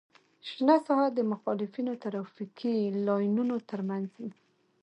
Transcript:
شنه ساحه د مخالفو ترافیکي لاینونو ترمنځ وي